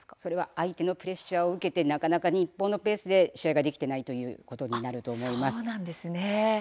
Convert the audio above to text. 相手のプレッシャーを受けて、日本のペースで攻撃ができていないということになります。